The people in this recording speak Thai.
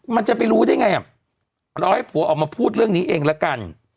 มันจะไปรู้ได้ไงอ่ะรอให้ผัวออกมาพูดเรื่องนี้เองละกัน